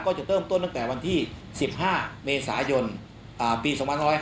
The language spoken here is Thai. จะเริ่มต้นตั้งแต่วันที่๑๕เมษายนปี๒๕๕๙